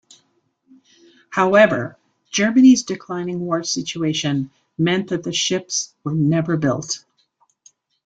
However, Germany's declining war situation meant that the ships were never built.